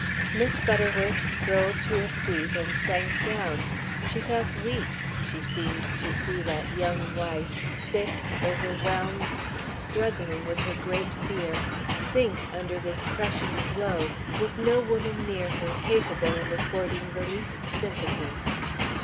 Miss Butterworth strolled to a seat and sat down. She felt weak; she seemed to see that young wife, sick, overwhelmed, struggling with her great fear, sink under this crushing blow, with no woman near her capable of affording the least sympathy.